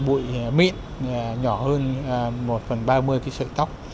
bụi mịn nhỏ hơn một phần ba mươi cái sợi tóc